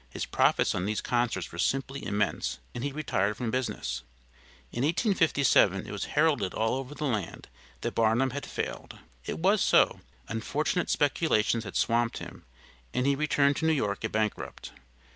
His profits on these concerts were simply immense, and he retired from business. In 1857 it was heralded all over the land that Barnum had failed. It was so; unfortunate speculations had swamped him, and he returned to New York a bankrupt.